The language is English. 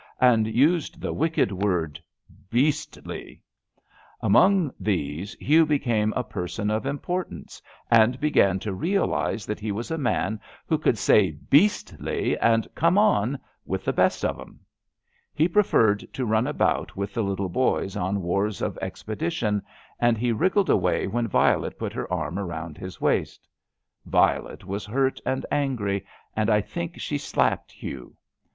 " and used the wicked word *' beastly !'' Among these Hugh became a person of importance and began to LETTERS ON LEAVE 219 realise that he was a man who could say '^beastly,'* and Come on! '* with the best of ^em. He preferred to run about with the little boys on wars of expedition, and he wriggled away when Violet put her arm around his waist. Violet was hurt and angry, and I think she slapped Hugh.